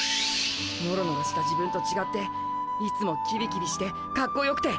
ノロノロした自分とちがっていつもキビキビしてかっこよくて。